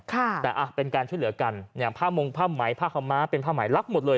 แต่เป็นการช่วยเหลือกันภาพมงค์ภาพหมายภาคทำม้าเป็นภาพหมายรักหมดเลย